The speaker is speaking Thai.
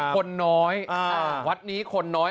คนน้อยวัดนี้คนน้อย